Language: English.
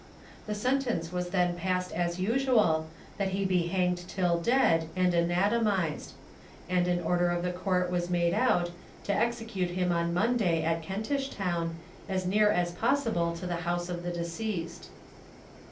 The sentence was then passed as usual, that he be hanged till dead, and anatomized; and an order of Court was made out, to execute him on Monday, at Kentish Town, as near as possible to the house of the deceased.